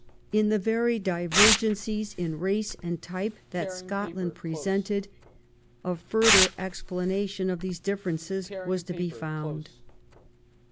In the very divergencies in race and type that Scotland presented, a further explanation of these differences was to be found.